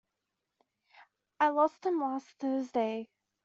I lost them last Thursday.